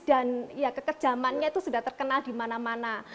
dan kekejamannya sudah terkenal di mana mana